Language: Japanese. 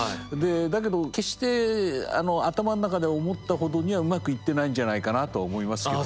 だけど決して頭の中で思ったほどにはうまくいってないんじゃないかなとは思いますけどね。